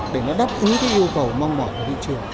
để nó đáp ứng cái yêu cầu mong mỏi của thị trường